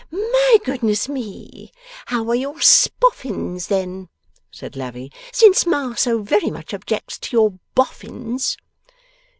'My goodness me! How are your Spoffins, then?' said Lavvy, 'since Ma so very much objects to your Boffins.